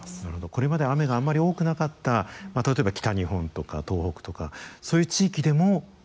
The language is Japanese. これまで雨があんまり多くなかった例えば北日本とか東北とかそういう地域でも降る可能性がある。